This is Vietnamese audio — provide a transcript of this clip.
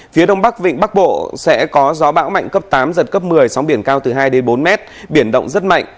phía đông bắc vịnh bắc bộ sẽ có gió bão mạnh cấp tám giật cấp một mươi sóng biển cao từ hai bốn mét biển động rất mạnh